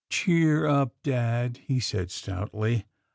" Cheer up, dad," he said stoutly.